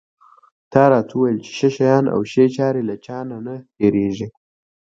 تا راته وویل چې ښه شیان او ښې چارې له چا نه نه هېرېږي.